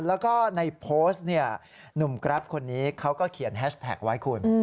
แล้วก็ในโพสต์เนี่ยหนุ่มแกรปคนนี้เขาก็เขียนแฮชแท็กไว้คุณ